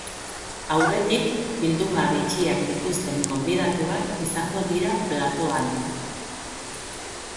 Aurretik, bilduma bitxiak dituzten gonbidatuak izango dira platoan.